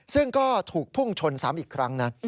ซึ่งก็ถูกพุ่งชนซ้ำอีกครั้งนะ